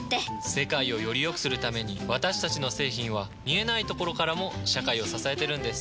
世界をよりよくするために私たちの製品は見えないところからも社会を支えてるんです。